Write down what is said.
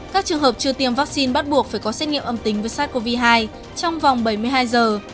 các trường hợp chưa tiêm vaccine bắt buộc phải có xét nghiệm âm tính với sars cov hai trong vòng bảy mươi hai giờ